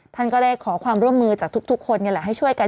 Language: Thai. ท่านก็ได้ขอความร่วมมือจากทุกคนนี่แหละให้ช่วยกัน